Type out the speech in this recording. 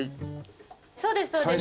そうですそうです。